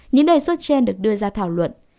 những đề xuất trên được đưa ra thảo luận